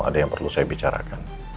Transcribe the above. ada yang perlu saya bicarakan